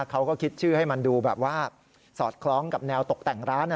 เขาก็คิดชื่อให้มันดูแบบว่าสอดคล้องกับแนวตกแต่งร้าน